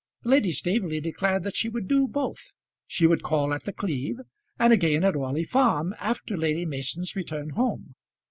Lady Staveley declared that she would do both. She would call at The Cleeve, and again at Orley Farm after Lady Mason's return home.